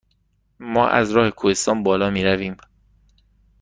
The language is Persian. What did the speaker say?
ما از راه کوهستان بالا می رویم؟